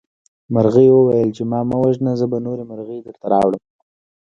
مرغۍ وویل چې ما مه وژنه زه به نورې مرغۍ درته راوړم.